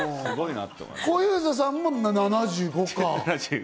小遊三さんも７５か。